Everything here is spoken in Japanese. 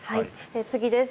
次です。